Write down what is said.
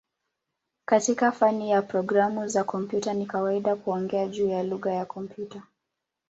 Katika fani ya programu za kompyuta ni kawaida kuongea juu ya "lugha ya kompyuta".